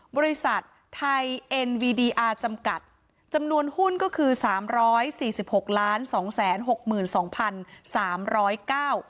บริษัทไทยเอ็นวีดีอาร์จำกัดจำนวนหุ้นก็คือสามร้อยสี่สิบหกล้านสองแสนหกหมื่นสองพันสามร้อยเก้า